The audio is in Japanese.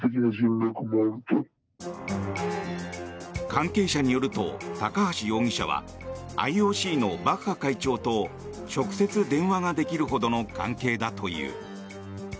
関係者によると、高橋容疑者はＩＯＣのバッハ会長と直接電話ができるほどの関係だという。